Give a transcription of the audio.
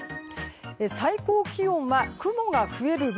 最高気温は雲が増える分